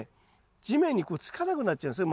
地面にこうつかなくなっちゃうんですね